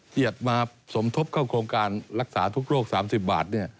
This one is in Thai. เกียรติมาสมทบเข้าโครงการรักษาทุกโรค๓๐บาท